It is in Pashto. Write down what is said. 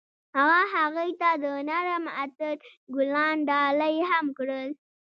هغه هغې ته د نرم عطر ګلان ډالۍ هم کړل.